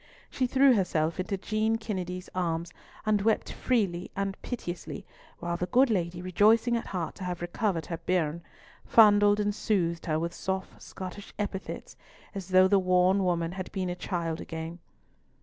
She threw herself into Jean Kennedy's arms, and wept freely and piteously, while the good lady, rejoicing at heart to have recovered "her bairn," fondled and soothed her with soft Scottish epithets, as though the worn woman had been a child again.